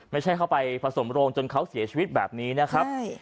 ไม่ใช่เข้าไปผสมโรงจนเขาเสียชีวิตแบบนี้นะครับ